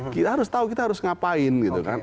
kita harus tahu kita harus ngapain gitu kan